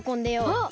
あっ！